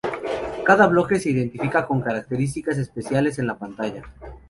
Cada bloque se identifica con características especiales en la pantalla.